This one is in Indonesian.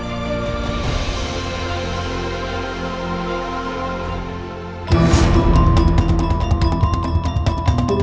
aku akan menjaga mereka